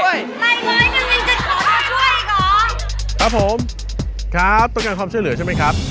อะไรไงมันจะขอตัวช่วยอีกหรอครับผมครับต้องการความช่วยเหลือใช่ไหมครับ